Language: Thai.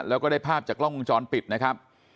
แล้วก็ได้ภาพจากกล้องวงจรปิดนะครับ